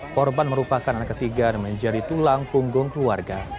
korban merupakan anak ketiga dan menjadi tulang punggung keluarga